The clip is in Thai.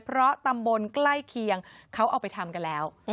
เพราะตำบลใกล้เคียงเขาเอาไปทำกันแล้ว